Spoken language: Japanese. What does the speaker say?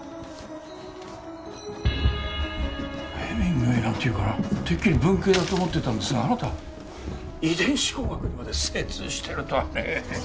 ヘミングウェイなんて言うからてっきり文系だと思っていたんですがあなた遺伝子工学にまで精通してるとはね。